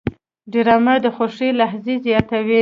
ډرامه د خوښۍ لحظې زیاتوي